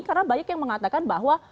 karena banyak yang mengatakan bahwa